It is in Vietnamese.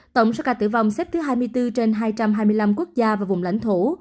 tổng số ca tử vong xếp thứ hai mươi bốn trên hai trăm hai mươi năm quốc gia và vùng lãnh thổ